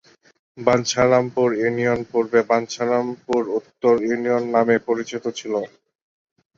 Bancharampur union পূর্বে বাঞ্ছারামপুর উত্তর union নামে পরিচিত ছিল।